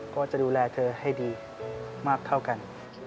ก็จะดูแลเธอให้ดีมากเท่ากัน